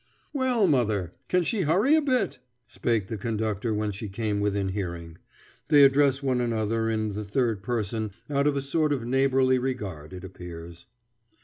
"Well, mother, can she hurry a bit?" spake the conductor when she came within hearing. They address one another in the third person out of a sort of neighborly regard, it appears.